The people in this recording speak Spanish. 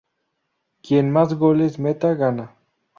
Quien más goles meta, gana.